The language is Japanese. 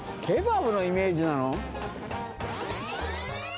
ケバブのイメージなの？